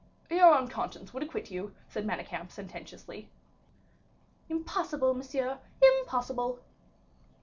"Your own conscience would acquit you," said Manicamp, sententiously. "Impossible, monsieur, impossible."